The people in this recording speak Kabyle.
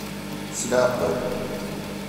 S leɛqel!